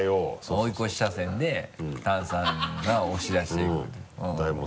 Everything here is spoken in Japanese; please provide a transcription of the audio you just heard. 追い越し車線で炭酸が押し出していくっていう。